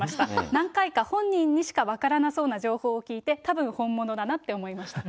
何回か、本人にしか分からなそうな情報を聞いて、たぶん本物だなって思いましたと。